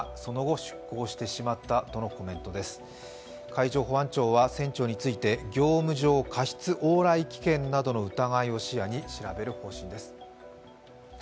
海上保安庁は船長について、業務上過失往来危険などの疑いを視野に調べる方針です。